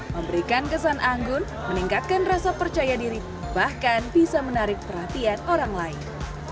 memberikan kesan anggun meningkatkan rasa percaya diri bahkan bisa menarik perhatian orang lain